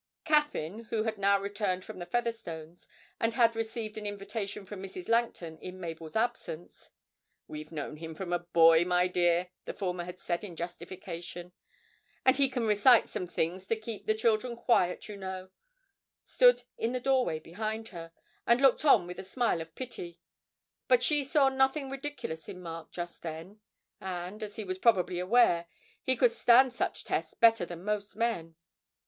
Caffyn (who had now returned from the Featherstones', and had received an invitation from Mrs. Langton in Mabel's absence: 'We've known him from a boy, my dear,' the former had said in justification, 'and he can recite some things to keep the children quiet, you know') stood in the doorway behind her, and looked on with a smile of pity, but she saw nothing ridiculous in Mark just then (and, as he was probably aware, he could stand such tests better than most men).